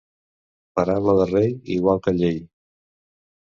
Paraula de rei, igual que llei.